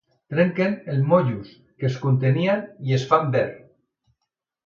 Trenquen els motllos que els contenien i es fan verb.